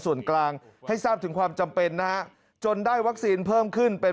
ส่วนกลางให้ทราบถึงความจำเป็นนะฮะจนได้วัคซีนเพิ่มขึ้นเป็น